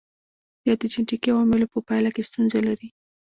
یا د جنېټیکي عواملو په پایله کې ستونزه لري.